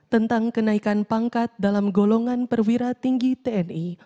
tentang kenaikan pangkat dalam golongan perwira tinggi tni